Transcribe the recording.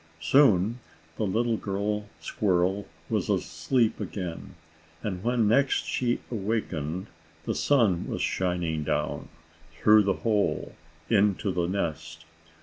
Soon the little girl squirrel was asleep again, and when next she awakened, the sun was shining down, through the hole, into the nest.